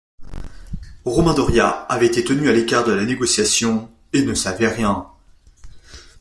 Romain Doria avait été tenu à l'écart de la négociation et ne savait rien.